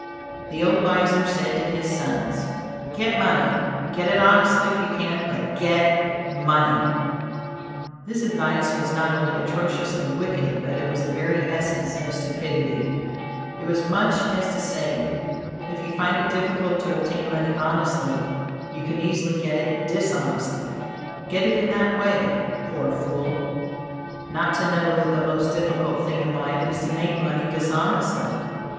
The old miser said to his sons: "Get money; get it honestly if you can, but get money:" This advice was not only atrociously wicked, but it was the very essence of stupidity: It was as much as to say, "if you find it difficult to obtain money honestly, you can easily get it dishonestly. Get it in that way." Poor fool! Not to know that the most difficult thing in life is to make money dishonestly!